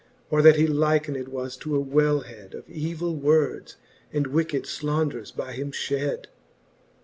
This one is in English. Or that he likened was to a welhed Of evill wordsj and wicked fclaunders by him fhed.